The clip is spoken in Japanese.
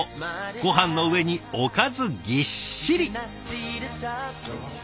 ごはんの上におかずぎっしり。